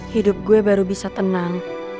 hidup gue baru bisa tenang